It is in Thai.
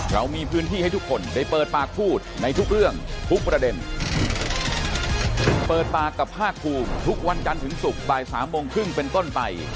เรามีพื้นที่ให้ทุกคนได้เปิดปากพูดในทุกเรื่องทุกประเด็นเปิดปากกับภาคภูมิทุกวันจันทร์ถึงศุกร์บ่ายสามโมงครึ่งเป็นต้นไป